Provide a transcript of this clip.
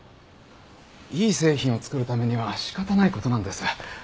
いい製品を作るためには仕方ないことなんです。